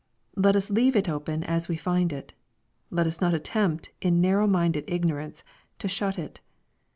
Let us leave it open as we find it Let us not attempt in narrow minded ignorance, to shul it.